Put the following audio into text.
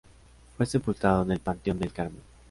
Fue sepultado en el Panteón del Carmen.